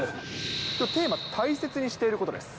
きょうはテーマ、大切にしていることです。